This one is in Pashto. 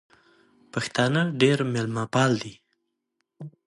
پښتانه ډېر مېلمه پال دي